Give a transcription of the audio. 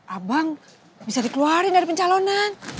abang bisa dikeluarin dari pencalonan